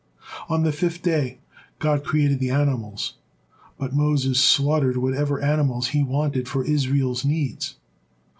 On the fifth day God created the animals, but Moses slaughtered whatever animals he wanted for Israel's needs.